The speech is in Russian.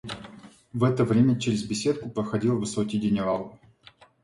В это время через беседку проходил высокий генерал.